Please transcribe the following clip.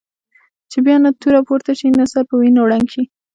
چې بیا نه توره پورته شي نه سر په وینو رنګ شي.